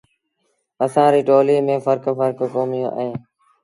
اسآݩ ريٚ ٽوليٚ ميݩ ڦرڪ ڦرڪ ڪوميݩ اوهيݩ۔